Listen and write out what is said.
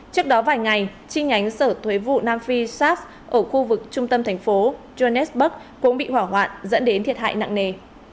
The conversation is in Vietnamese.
trước đó vài ngày chi nhánh sở thuế vụ nam phi sars ở khu vực trung tâm thành phố johannesburg cũng bị hỏa hoạn dẫn đến thiệt hại nặng nề